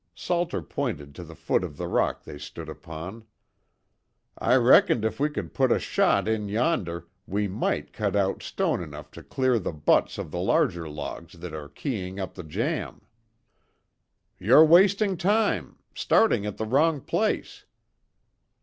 Salter pointed to the foot of the rock they stood upon. "I reckoned if we could put a shot in yonder, we might cut out stone enough to clear the butts of the larger logs that are keying up the jamb." "You're wasting time starting at the wrong place."